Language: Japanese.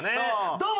どうも！